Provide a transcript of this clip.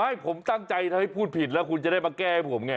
ไม่ผมตั้งใจทำให้พูดผิดแล้วคุณจะได้มาแก้ให้ผมไง